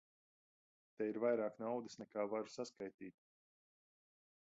Te ir vairāk naudas, nekā varu saskaitīt.